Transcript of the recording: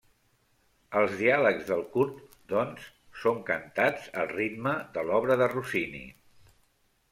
Els diàlegs del curt, doncs, són cantats al ritme de l'obra de Rossini.